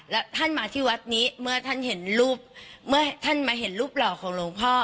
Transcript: แล้วท่านมาที่วัดนี้เมื่อท่านเห็นรูปเมื่อท่านมาเห็นรูปหล่อของหลวงพ่อ